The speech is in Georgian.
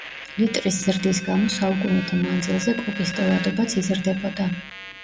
ლიტრის ზრდის გამო საუკუნეთა მანძილზე კოკის ტევადობაც იზრდებოდა.